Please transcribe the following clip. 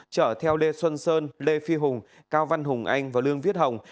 chở theo lê xuân sơn lê phi hùng cao văn hùng anh và lương viết hồng